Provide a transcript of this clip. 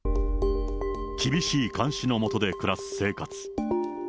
厳しい監視の下で暮らす生活。